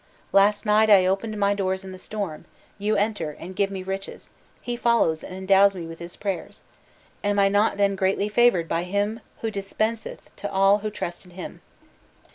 "Last night I opened my doors in the storm, you enter and give me riches; he follows and endows me with his prayers! Am I not then greatly favored by Him who dispenseth to all who trust in Him.